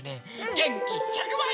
げんき１００ばい！